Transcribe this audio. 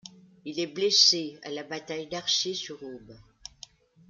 Il est blessé à la Bataille d'Arcis-sur-Aube.